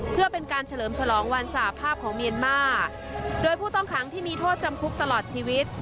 เพื่อเป็นการเฉลิมฉลองวันสาภาพของเมียนมาร์โดยผู้ต้องขังที่มีโทษจำคุกตลอดชีวิต